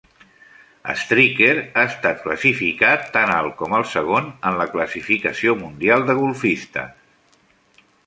Stricker ha estat classificat tan alt com el segon en la classificació mundial de golfistes.